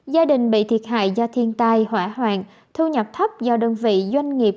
gia đình bị thiệt hại do thiên tai hỏa hoạn thu nhập thấp do đơn vị doanh nghiệp